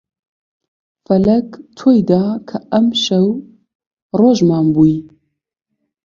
فەلەک تۆی دا کە ئەمشەو ڕۆژمان بووی